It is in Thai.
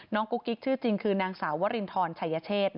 กุ๊กกิ๊กชื่อจริงคือนางสาววรินทรชัยเชษ